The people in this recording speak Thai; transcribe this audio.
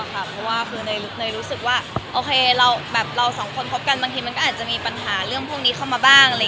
เพราะว่าคือเนยรู้สึกว่าโอเคเราสองคนคบกันบางทีมันก็อาจจะมีปัญหาเรื่องพวกนี้เข้ามาบ้าง